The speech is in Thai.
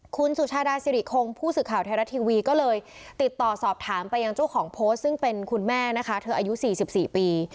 คุณสุชาดาสิริคงผู้สื่อข่าวไทยรัฐทีวีก็เลยติดต่อสอบถามไปยังเจ้าของโพสต์ซึ่งเป็นคุณแม่นะคะเธออายุ๔๔ปี